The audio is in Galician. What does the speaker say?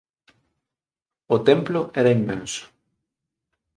O templo era inmenso.